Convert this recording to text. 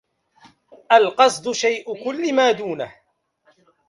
القصد شيء كل ما دونه